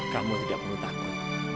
kamu tidak perlu takut